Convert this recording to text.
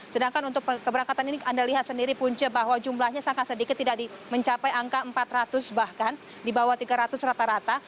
sedangkan untuk keberangkatan ini anda lihat sendiri punce bahwa jumlahnya sangat sedikit tidak mencapai angka empat ratus bahkan di bawah tiga ratus rata rata